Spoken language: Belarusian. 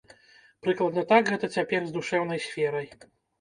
Прыкладна так гэта цяпер з душэўнай сферай.